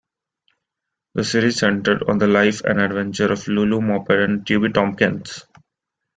The series centered on the life and adventures of Lulu Moppet and Tubby Tompkins.